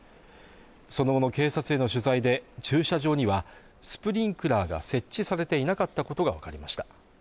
その後の警察への取材で駐車場にはスプリンクラーが設置されていなかったことが分かりました